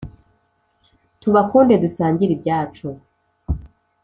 tubakunde dusangire ibyacu